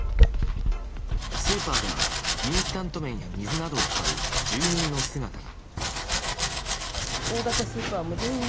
スーパーではインスタント麺や水などを買う住民の姿が。